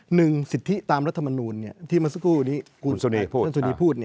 หนึ่งสิทธิตามรัฐมนูลที่มสกุลนี้คุณสุนีพูด